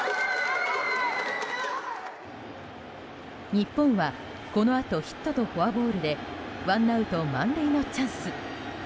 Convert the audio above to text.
日本はこのあとヒットとフォアボールでワンアウト満塁のチャンス。